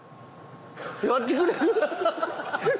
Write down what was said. やってくれる？